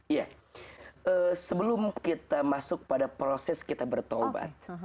iya sebelum kita masuk pada proses kita bertaubat